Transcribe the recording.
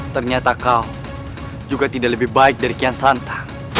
ternyata kau juga tidak lebih baik dari kian santa